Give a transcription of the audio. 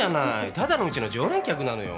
ただのうちの常連客なのよ。